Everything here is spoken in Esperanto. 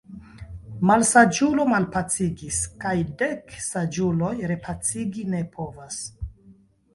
Malsaĝulo malpacigis kaj dek saĝuloj repacigi ne povas.